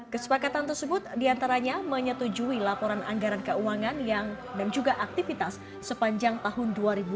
kesepakatan tersebut di antaranya menyetujui laporan anggaran keuangan dan juga aktivitas sepanjang tahun dua ribu delapan belas